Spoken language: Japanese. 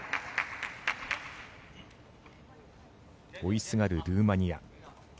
追いすがるルーマニア。